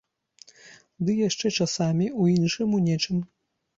Ды яшчэ часамі ў іншым у нечым.